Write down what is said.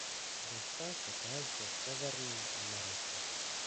Dostal se též do Severní Ameriky.